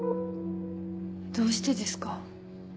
どうしてですか？